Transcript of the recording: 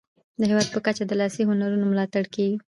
د هیواد په کچه د لاسي هنرونو ملاتړ کیږي.